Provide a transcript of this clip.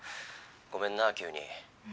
ごめんな急に。